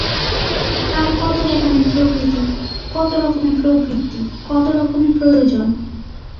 তার কতরকমের প্রকৃতি, কতরকমের প্রবৃত্তি, কতরকমের প্রয়োজন?